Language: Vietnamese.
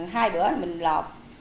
hai bữa mình lọt